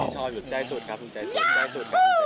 ชอบอยู่ใจสุดครับใจสุด